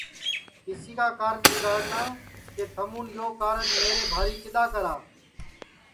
کیسی کا کارج ٻیگاڑنا کہ تھمُون یہ کارج میرے بھاری کِدؔا کرا